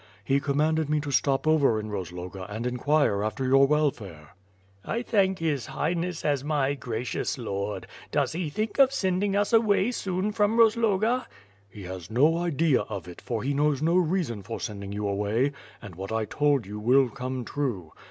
He commanded me to stop over in Rozloga and inquire after your welfare. WITH Pins 4.VD SWORD. 57 "I thank his Highness, as m^ gracious Lord. Does he think of sending us away soon from iTozloga?'' *'He has no idea of it, for he knows no reason for sending you away, and what I told you will come true.